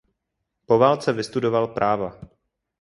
Po válce vystudoval práva.